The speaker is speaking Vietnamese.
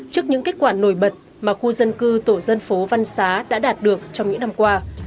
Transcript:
trước những kết quả nổi bật mà khu dân cư tổ dân phố văn xá đã đạt được trong những năm qua